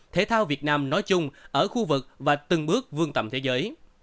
thể thao việt nam nói chung ở khu vực và từng bước vương tầm thế giới